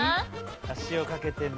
はしをかけてね。